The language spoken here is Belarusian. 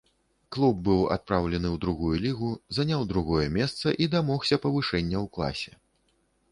Клуб быў адпраўлены ў другую лігу, заняў другое месца і дамогся павышэння ў класе.